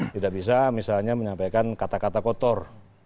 tidak bisa misalnya menyampaikan kata kata kotor